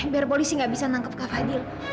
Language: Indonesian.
biar polisi nggak bisa menangkap kak fadil